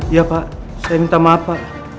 iya pak saya minta maaf pak